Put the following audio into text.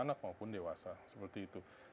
ya anak anak maupun dewasa seperti itu